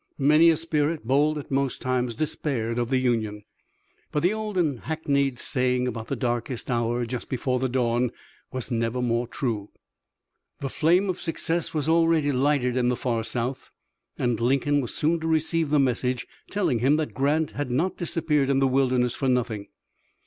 Many a spirit, bold at most times, despaired of the Union. But the old and hackneyed saying about the darkest hour just before the dawn was never more true. The flame of success was already lighted in the far South, and Lincoln was soon to receive the message, telling him that Grant had not disappeared in the wilderness for nothing.